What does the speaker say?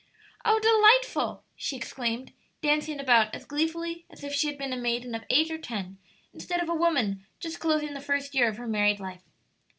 "Oh delightful!" she exclaimed, dancing about as gleefully as if she had been a maiden of eight or ten instead of a woman just closing the first year of her married life.